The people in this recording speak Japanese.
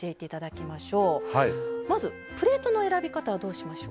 まずプレートの選び方はどうしましょう？